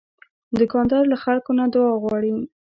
دوکاندار له خلکو نه دعا غواړي.